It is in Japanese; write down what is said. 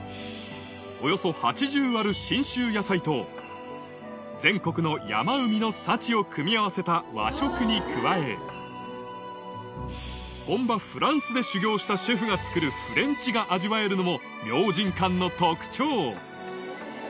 およそ８０ある信州野菜と、全国の山海の幸を組み合わせた和食に加え、本場フランスで修業したシェフが作るフレンチが味わえるのも明神館の特徴。